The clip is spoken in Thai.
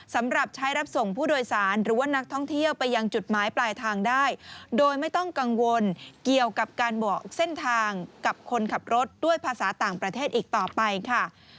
สำหรับใช้รับส่งผู้โดยสารหรือว่านักท่องเที่ยวไปยังจุดหมายปลายทางได้โดยไม่ต้องกังวลเกี่ยวกับการบอกเส้นทางกับคนขับรถด้วยภาษาต่างประเทศอีกต่อไปค่ะ